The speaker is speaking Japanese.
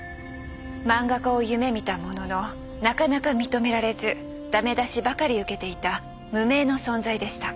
漫画家を夢みたもののなかなか認められずダメ出しばかり受けていた無名の存在でした。